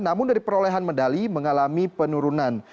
namun dari perolehan medali mengalami penurunan